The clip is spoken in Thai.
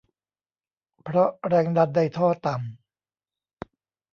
เพราะแรงดันในท่อต่ำ